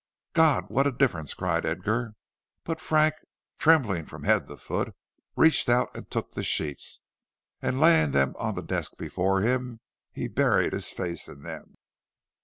"God, what a difference!" cried Edgar. But Frank, trembling from head to foot, reached out and took the sheets, and laying them on the desk before him, buried his face in them.